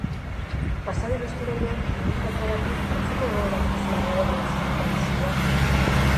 Pasadan otsailean euri faltagatik antzeko egoera eman zela gogorarazi du koalizioak.